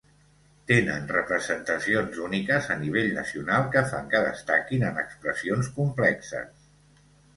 Tenen representacions úniques a nivell nacional que fan que destaquin en expressions complexes.